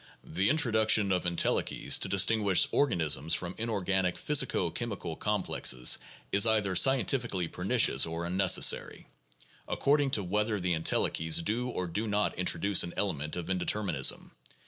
The introduction of entelechies to distinguish organisms from inorganic physico chemical complexes is either scientifically pernicious or unnecessary, according to whether the entelechies do or do not introduce an element of indeterminism.